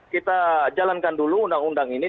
kita jalankan dulu undang undang ini